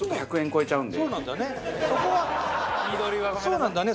そうなんだね。